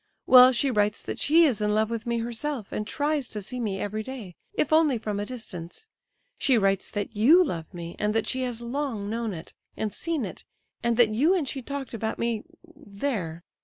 Well, she writes that she is in love with me herself, and tries to see me every day, if only from a distance. She writes that you love me, and that she has long known it and seen it, and that you and she talked about me—there.